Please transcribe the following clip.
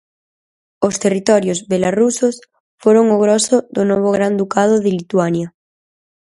Os territorios belarusos foron o groso do novo Gran Ducado de Lituania.